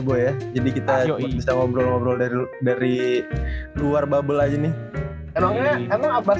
boy jadi kita bisa ngobrol ngobrol dari dari luar babel aja nih emangnya emang abbas